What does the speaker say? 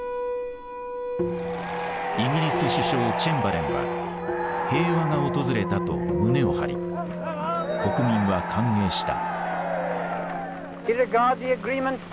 イギリス首相チェンバレンは平和が訪れたと胸を張り国民は歓迎した。